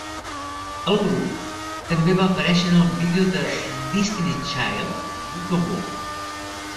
El grup també va aparèixer en el vídeo de Destiny's Child "Bugaboo".